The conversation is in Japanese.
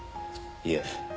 いえ。